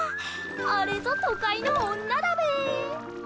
あれぞ都会のオンナだべ。